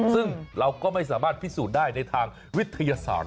ซึ่งเราก็ไม่สามารถพิสูจน์ได้ในทางวิทยาศาสตร์